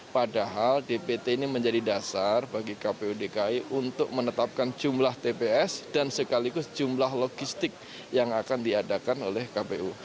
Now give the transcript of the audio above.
padahal dpt ini menjadi dasar bagi kpu dki untuk menetapkan jumlah tps dan sekaligus jumlah logistik yang akan diadakan oleh kpu